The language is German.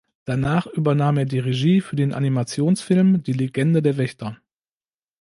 Danach übernahm er die Regie für den Animationsfilm "Die Legende der Wächter".